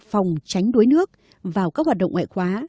phòng tránh đuối nước vào các hoạt động ngoại khóa